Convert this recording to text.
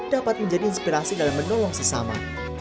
dapat menjadi inspirasi dalam menolong sesama